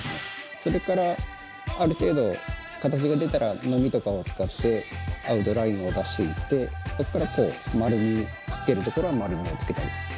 それからある程度形が出たらノミとかを使ってアウトラインを出していってそこから丸みつける所は丸みをつけたり。